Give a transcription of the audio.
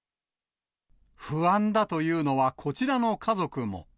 不安だというのはこちらの家族も。